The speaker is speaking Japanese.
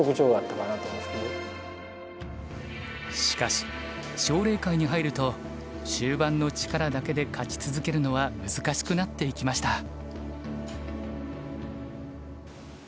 しかし奨励会に入ると終盤の力だけで勝ち続けるのは難しくなっていきました。